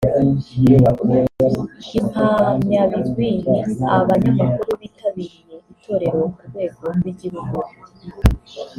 Impamyabigwi ni abanyamakuru bitabiriye itorero ku rwego rw’igihugu